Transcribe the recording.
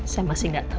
saya masih gak tau